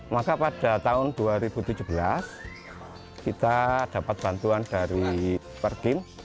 maka pada tahun dua ribu tujuh belas kita dapat bantuan dari perkim